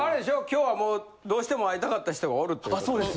今日はもうどうしても会いたかった人がおるってことで。